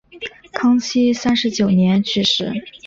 康熙三十九年去世。